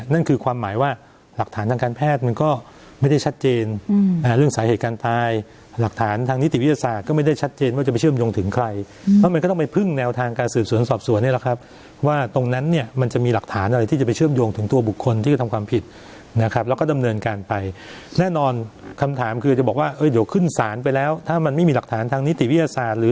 นั่นคือความหมายว่าหลักฐานทางการแพทย์มันก็ไม่ได้ชัดเจนเรื่องสาเหตุการณ์ตายหลักฐานทางนิติวิทยาศาสตร์ก็ไม่ได้ชัดเจนว่าจะไปเชื่อมโยงถึงใครเพราะมันก็ต้องไปพึ่งแนวทางการสืบสวนสอบสวนนี่แหละครับว่าตรงนั้นเนี่ยมันจะมีหลักฐานอะไรที่จะไปเชื่อมโยงถึงตัวบุคคลที่ก็ทำความผิ